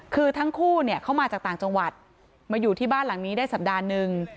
คือทั้งคู่เข้ามาจากต่างจังหวัดมาอยู่ที่บ้านหลังนี้ได้สัปดาห์หนึ่ง